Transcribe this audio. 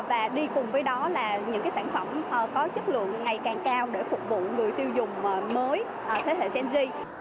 và đi cùng với đó là những sản phẩm có chất lượng ngày càng cao để phục vụ người tiêu dùng mới thế hệ gen